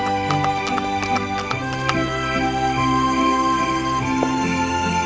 jangan lupa untuk membalas video dan menikmati video lainnya